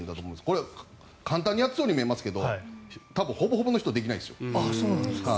これ、簡単にやってそうに見えますけど多分ほぼほぼの人できないですよ。